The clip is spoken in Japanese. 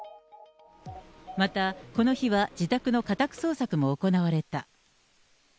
また、この日は自宅の家宅捜索も行われた。